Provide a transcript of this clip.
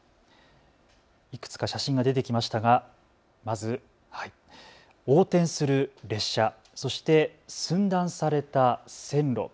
いくつか写真が出てきましたがまず、横転する列車、そして寸断された線路。